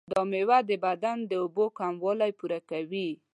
دا میوه د بدن د اوبو کموالی پوره کوي.